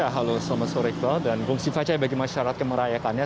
halo selamat sore saya bagi masyarakat kemerayakannya